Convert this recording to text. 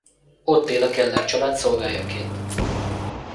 Ott él a Keller család szolgájaként.